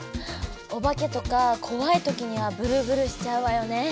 おばけとかこわいときにはブルブルしちゃうわよね。